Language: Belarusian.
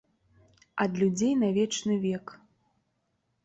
Ад людзей на вечны век.